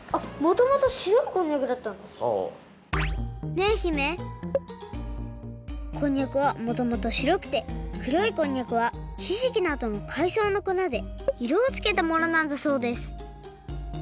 ねえ姫こんにゃくはもともとしろくてくろいこんにゃくはひじきなどのかいそうのこなでいろをつけたものなんだそうです。